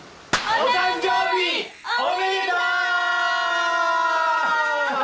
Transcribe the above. お誕生日おめでとう！